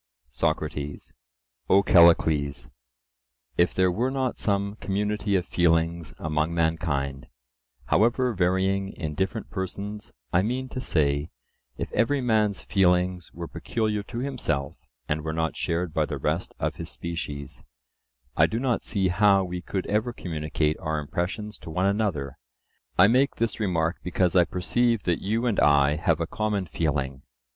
SOCRATES: O Callicles, if there were not some community of feelings among mankind, however varying in different persons—I mean to say, if every man's feelings were peculiar to himself and were not shared by the rest of his species—I do not see how we could ever communicate our impressions to one another. I make this remark because I perceive that you and I have a common feeling.